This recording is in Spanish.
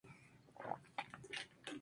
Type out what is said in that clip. La cabecera del condado es Tazewell.